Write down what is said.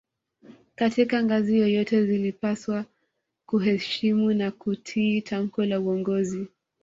Katika ngazi yoyote zilipaswa kuheshimu na kutii tamko la uongozi